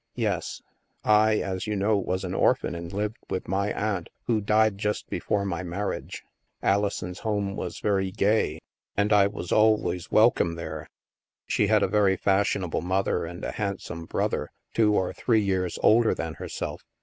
" Yes. I, as you know, was an orphan and lived with my aunt, who died just before my marriage. Alison's home was very gay, and I was always wel come there ; she had a very fashionable mother and a handsome brother, two or, three years older than herself.